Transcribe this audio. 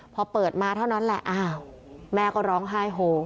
พอเปิดมาเท่านั้นแหละอ้าวแม่ก็ร้องไห้โห